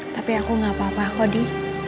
tapi aku gak apa apa kodi